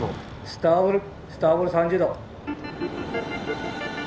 スターボルスターボル３０度。